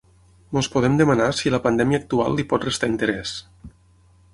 Ens podem demanar si la pandèmia actual li pot restar interès.